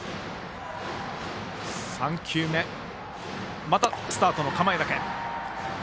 ３球目、またスタートの構えだけ。